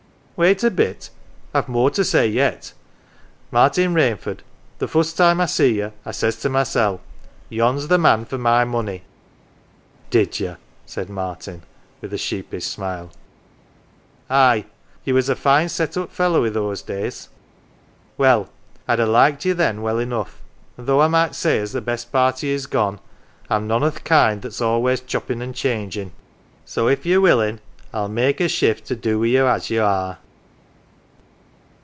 " Wait a bit, I've more to say yet. Martin Rainford, the fust time I see ye, I says to mysel', ' Yon's th' man for my money.'" " Did ye ?" said Martin, with a sheepish smile. " Aye, ye was a fine set up fellow i' those days. Well, I'd ha' liked ye then well enough ; an' though I may say as the best part o' ye is gone, I'm none o' th' kind that's always choppin' an' changing' so if ye're willin' I'll make a shift to do wi' ye as ye are."